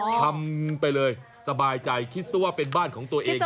ทำไปเลยสบายใจคิดซะว่าเป็นบ้านของตัวเอง